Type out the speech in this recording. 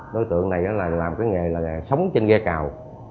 đối tượng này là làm cái nghề là sống trên ghe cào